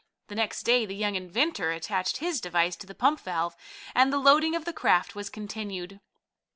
The next day the young inventor attached his device to the pump valve, and the loading of the craft was continued.